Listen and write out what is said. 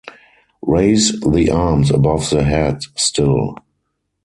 Raise the arms above the head still